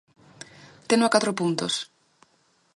Teno a catro puntos.